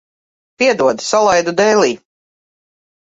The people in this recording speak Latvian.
Piedod, salaidu dēlī.